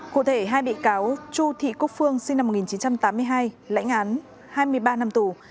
cụ thể hai bị cáo chu thị quốc phương sinh năm một nghìn chín trăm tám mươi hai lãnh án hai mươi ba năm tù